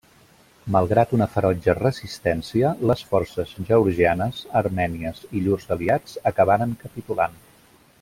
Malgrat una ferotge resistència, les forces georgianes, armènies i llurs aliats acabaren capitulant.